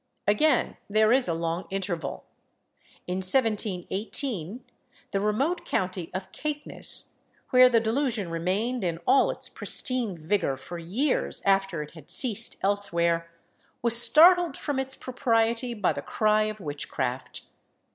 Again there is a long interval. In 1718, the remote county of Caithness, where the delusion remained in all its pristine vigour for years after it had ceased elsewhere, was startled from its propriety by the cry of witchcraft.